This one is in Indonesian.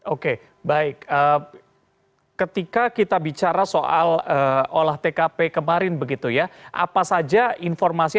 oke baik ketika kita bicara soal olah tkp kemarin begitu ya apa saja informasi